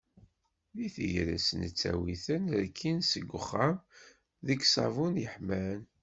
Deg tegrest, nettawi-ten rkin seg uxxam, deg ṣṣabun yeḥman.